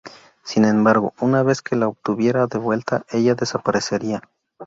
Sin embargo una vez que la obtuviera de vuelta, ella desaparecería.